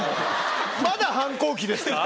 まだ反抗期ですか？